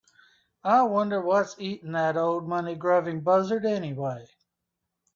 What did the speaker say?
I wonder what's eating that old money grubbing buzzard anyway?